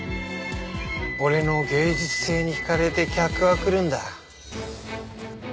俺の芸術性に引かれて客は来るんだ。